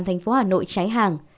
thành phố hà nội cháy hàng